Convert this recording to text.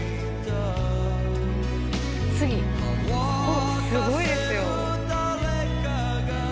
次、すごいですよ。